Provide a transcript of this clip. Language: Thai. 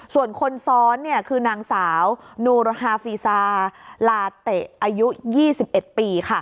ส่วนคนซ้อนคือนางสาวนูรฮาฟีซาลาเตะอายุ๒๑ปี